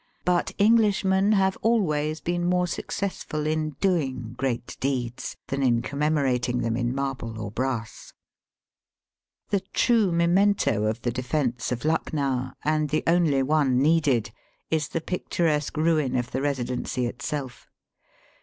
But Englishmen have always been more successful in doing great deeds than in commemorating them in marble or brass. The true memento of the defence of Lucknow, and the only one needed, is the picturesque ruin of the Eesidency itself.